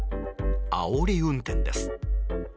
あおり運転です。